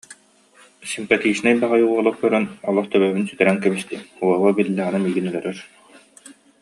Симпатичнай баҕайы уолу көрөн, олох төбөбүн сүтэрэн кэбистим, Вова биллэҕинэ миигин өлөрөр